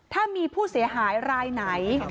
ถ้ามีผู้เสียหายรายไหน